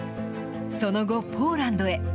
その後、ポーランドへ。